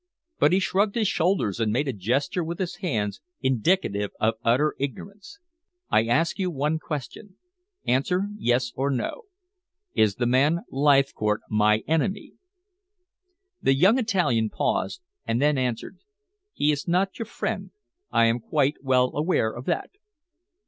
But he shrugged his shoulders, and made a gesture with his hands indicative of utter ignorance. "I ask you one question. Answer yes or no. Is the man Leithcourt my enemy?" The young Italian paused, and then answered: "He is not your friend. I am quite well aware of that."